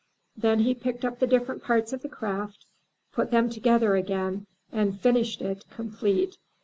Then he picked up the different parts of the craft, put them together again, and finished it, complete.